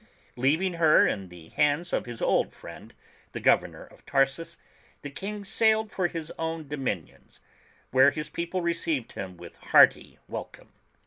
Leaving her in the hands of his old friend, the Governor of Tarsus, the King sailed for his own dominions, where his people received him with hearty welcome.